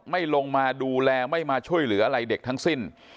ไม่ลงมาดูแลไม่มาช่วยเหลืออะไรเด็กทั้งสิ้น